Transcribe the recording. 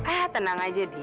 ah tenang aja di